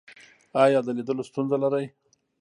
ایا د لیدلو ستونزه لرئ؟